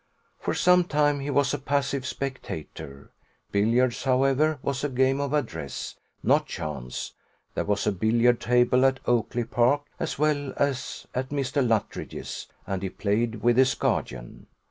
For some time he was a passive spectator. Billiards, however, was a game of address, not chance; there was a billiard table at Oakly park, as well as at Mr. Luttridge's, and he had played with his guardian.